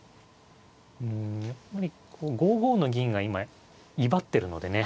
うんやっぱり５五の銀が今威張ってるのでね